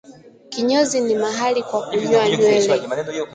kinyozi ni mahali kwa kunyoa nywele